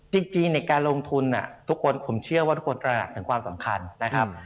จริงในการลงทุนทุกคนผมเชื่อว่าทุกคนตระหนักถึงความสำคัญนะครับ